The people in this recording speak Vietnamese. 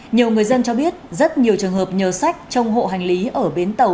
nhiều người dân cho biết rất nhiều trường hợp nhờ sách trong hộ hành lý ở bến tàu